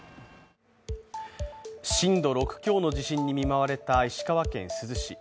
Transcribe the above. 震度６強の地震に見舞われた石川県珠洲市。